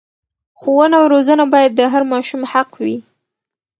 ښوونه او روزنه باید د هر ماشوم حق وي.